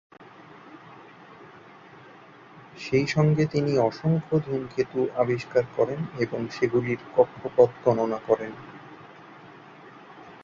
সেই সঙ্গে তিনি অসংখ্য ধূমকেতু আবিষ্কার করেন এবং সেগুলির কক্ষপথ গণনা করেন।